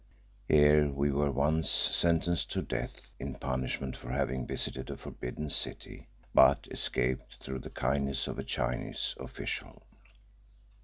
Here we were once sentenced to death in punishment for having visited a forbidden city, but escaped through the kindness of a Chinese official.